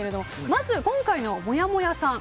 まず今回のもやもやさん